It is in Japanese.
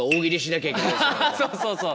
そうそうそう。